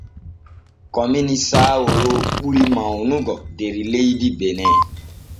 Komini saawaro ɓuri mawnugo der leydi bene.